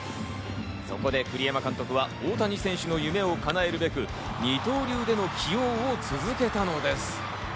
そこで栗山監督は大谷選手の夢を叶えるべく、二刀流での起用を続けたのです。